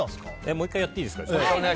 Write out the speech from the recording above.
もう１回やっていいですか。